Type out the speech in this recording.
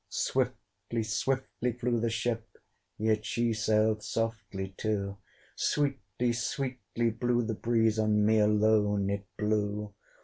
Swiftly, swiftly flew the ship, Yet she sailed softly too: Sweetly, sweetly blew the breeze On me alone it blew.